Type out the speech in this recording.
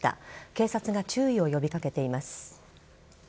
警察が注意を呼び掛けています。